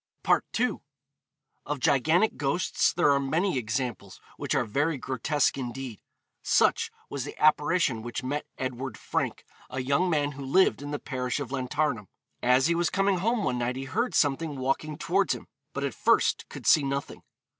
II. Of gigantic ghosts there are many examples which are very grotesque indeed. Such was the apparition which met Edward Frank, a young man who lived in the parish of Llantarnam. As he was coming home one night he heard something walking towards him, but at first could see nothing.